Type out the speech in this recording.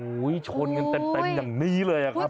โหชนกันเต็ดอย่างนี้เลยอะครับ